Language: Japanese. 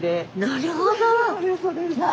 なるほど！